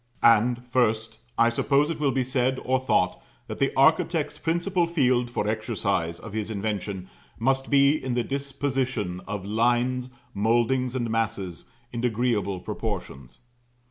And, first, I suppose it will be said, or thought, that the architect's principal field for exercise of his invention must be in the disposition of lines, mouldings, and masses, in agreeable proportions.